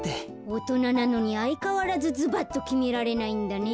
おとななのにあいかわらずズバッときめられないんだね。